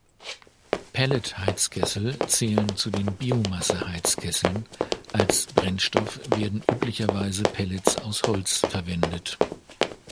Pellet-Heizkessel zählen zu den Biomasse-Heizkesseln, als Brennstoff werden üblicherweise Pellets aus Holz verwendet.